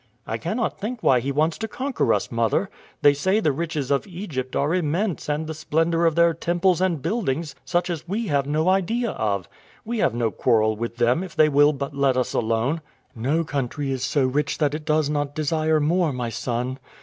"I cannot think why he wants to conquer us, mother. They say the riches of Egypt are immense and the splendor of their temples and buildings such as we have no idea of. We have no quarrel with them if they will but let us alone." "No country is so rich that it does not desire more, my son.